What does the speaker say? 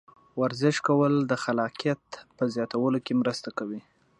ورزش کول د خلاقیت په زیاتولو کې مرسته کوي.